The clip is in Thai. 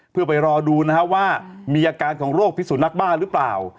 เพื่อไปรอดูนะครับว่ามีอาการของโรคพิสุนักบ้าหรือเปล่า